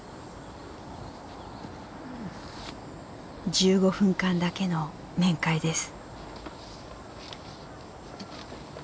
１５分間だけの面会です。